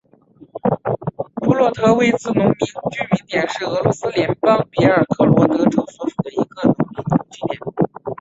普洛塔韦茨农村居民点是俄罗斯联邦别尔哥罗德州科罗恰区所属的一个农村居民点。